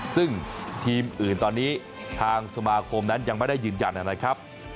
ซึ่งทีมอื่นตอนนี้ทางสมาคมนั้นยังไม่ได้ยืนยันนะครับ